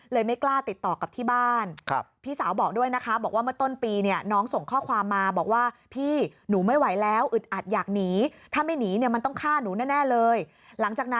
เลยไม่กล้าติดต่อกับที่บ้าน